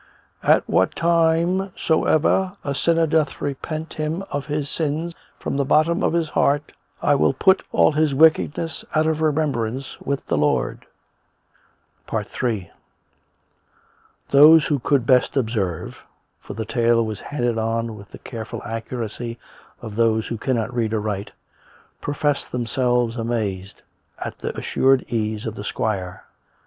" At what time soever a sinner doth repent him of his sin from the bottom of his heart, I will put all his wicked ness out of remembrance, s'aith the Lord." Ill Those who could best observe (for the tale was handed on with the careful accuracy of those who cannot read or write) professed themselves amazed at the assured ease of the squire.